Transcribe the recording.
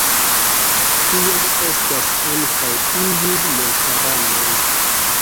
Tiaj estas ankaŭ iuj montaranoj.